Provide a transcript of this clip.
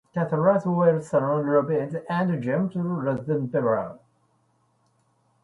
Cassara, William Robbins and James Rosenberger.